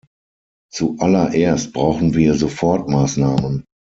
Zuallererst brauchen wir Sofortmaßnahmen.